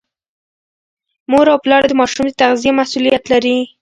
مور او پلار د ماشوم د تغذیې مسؤلیت لري.